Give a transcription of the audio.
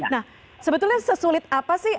nah sebetulnya sesulit apa sih